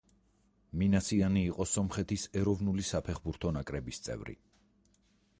მინასიანი იყო სომხეთის ეროვნული საფეხბურთო ნაკრების წევრი.